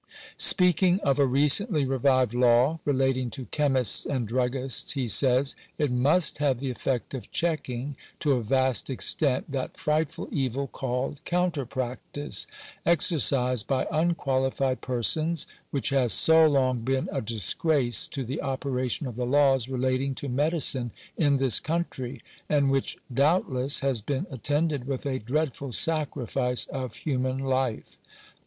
Speaking of a recently revived law re lating to chemists and druggists, he says, " It must have the effect of checking, to a vast extent, that frightful evil called counter practice, exercised by unqualified persons, which has so long been a disgrace to the operation of the laws relating to medicine in this country, and which, doubtless, has been attended with a dreadful sacrifice of human life."